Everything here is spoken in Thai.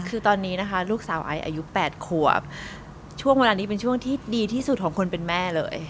คือตอนนี้นะคะลูกสาวไอซ์อายุ๘ขวบช่วงเวลานี้เป็นช่วงที่ดีที่สุดของคนเป็นแม่เลย